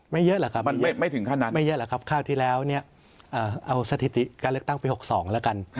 ไม่เยอะหรือครับไม่เยอะหรือครับข้าวที่แล้วเนี่ยเอาสถิติการเลือกตั้งปี๖๒แล้วกัน